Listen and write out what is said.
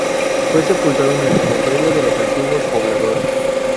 Fue sepultado en el cementerio de los antiguos pobladores.